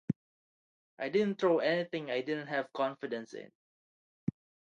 I didn't throw anything I didn't have confidence in.